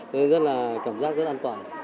thế nên rất là cảm giác rất an toàn